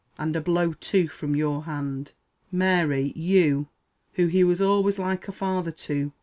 and a blow, too, from your hand, Mary! you, who he was always like a father to!